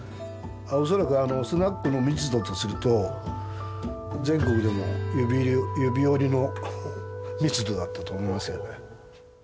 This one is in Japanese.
おそらくスナックの密度とすると全国でも指折りの密度だったと思いますけどね。